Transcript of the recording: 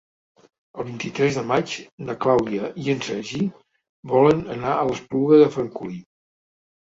El vint-i-tres de maig na Clàudia i en Sergi volen anar a l'Espluga de Francolí.